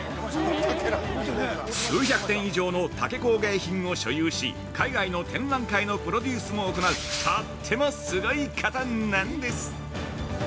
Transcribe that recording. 数百点以上の竹工芸品を所有し海外の展覧会のプロデュースも行う、とってもすごい方なんです。